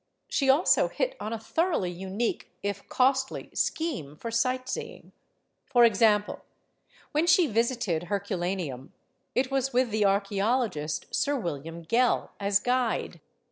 She also hit on 218 STORIES OF THE SUPER WOMEN a thoroughly unique, if costly, scheme for sight seeing. por example, when she visited Herculaneum, it was V/ith the archaeologist, Sir William Gell, as guide.